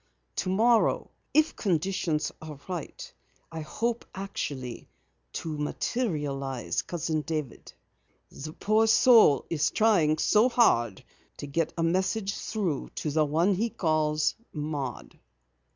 Tomorrow if conditions are right, I hope actually to materialize Cousin David. The poor soul is trying so hard to get a message through to the one he calls Maud."